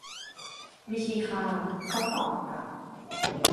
ไม่ใช่ข้า เขาตอบกลับ